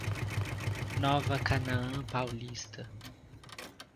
Nova Canaã Paulista